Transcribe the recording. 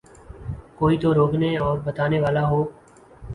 کوئی تو روکنے اور بتانے والا ہو۔